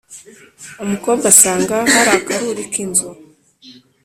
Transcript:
Umukobwa asanga hari akaruri k' inzu,